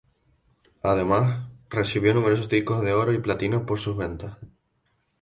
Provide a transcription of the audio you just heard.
Además, recibió numerosos discos de oro y platino por sus ventas.